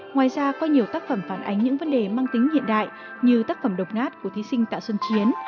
ngoài ra có nhiều tác phẩm phản ánh những vấn đề mang tính hiện đại như tác phẩm độc ngát của thí sinh tạ xuân chiến